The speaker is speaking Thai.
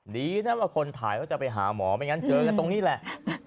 ดีนะว่าคนถ่ายเขาจะไปหาหมอไม่งั้นเจอกันตรงนี้แหละ